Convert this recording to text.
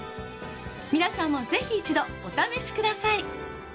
皆さんも是非一度お試し下さい！